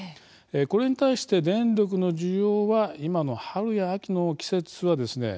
これに対して、電力の需要は今の春や秋の季節はですね